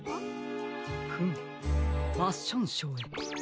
フムファッションショーへ。